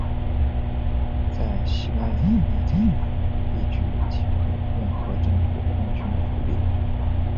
在西班牙内战一举击溃共和政府空军主力。